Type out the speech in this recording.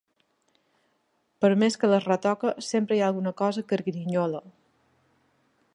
Per més que les retoca, sempre hi ha alguna cosa que grinyola.